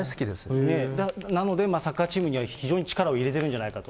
なので、サッカーチームには非常に力を入れてるんじゃないかと。